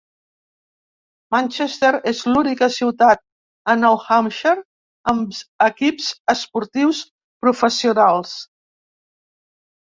Manchester és l'única ciutat a Nou Hampshire amb equips esportius professionals.